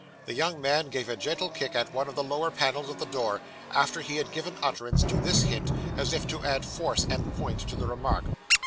The young man gave a gentle kick at one of the lower panels of the door, after he had given utterance to this hint, as if to add force and point to the remark.